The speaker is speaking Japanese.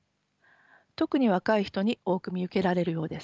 特に若い人に多く見受けられるようです。